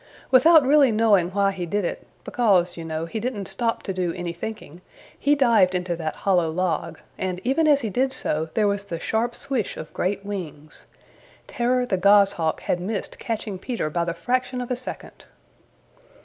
Without really knowing why he did it, because, you know, he didn't stop to do any thinking, he dived into that hollow log, and even as he did so there was the sharp swish of great wings. Terror the Goshawk had missed catching Peter by the fraction of a second.